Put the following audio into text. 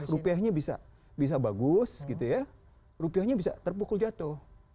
rupiahnya bisa bagus gitu ya rupiahnya bisa terpukul jatuh